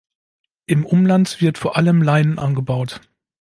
Im Umland wird vor allem Lein angebaut.